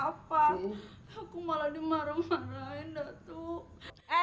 aku malah dimarah marahin datu